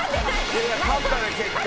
いやいや勝ったね結果。